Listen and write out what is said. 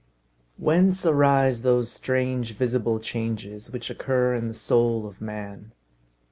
Whence arise those strange, visible changes which occur in the soul of man?